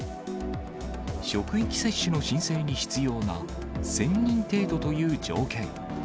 職域接種の申請に必要な１０００人程度という条件。